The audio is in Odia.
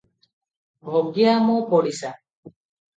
ଭଗିଆ ମୋ ପଡ଼ିଶା ।